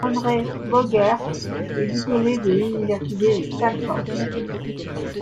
Andre Braugher est diplômé de l'université Stanford.